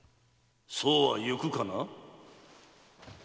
・そうはいくかな？